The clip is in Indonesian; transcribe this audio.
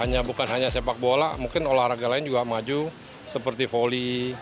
ya bukan hanya sepak bola mungkin olahraga lain juga maju seperti voli